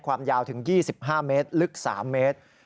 ความยาวถึง๒๕เมตรลึก๓เมตร